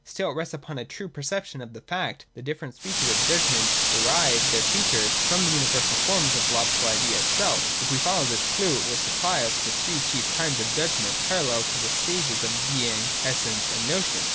Still it rests upon a true perception of the fact that the diiferent species of judgment derive their features from the universal forms of the logical idea itself. If we follow this clue, it will supply us with three chief kinds of judgment parallel to the stages of Being, Essence, and Notion.